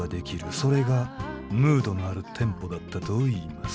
それがムードのあるテンポだったといいます「」